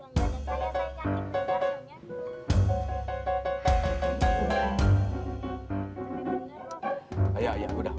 tidak tiba tiba nyanyinya istri sama sofi